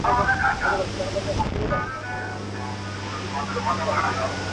له هيبته به يې تښتېدل پوځونه-